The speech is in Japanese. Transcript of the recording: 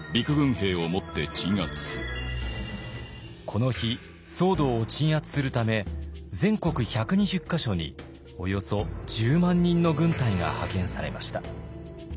この日騒動を鎮圧するため全国１２０か所におよそ１０万人の軍隊が派遣されました。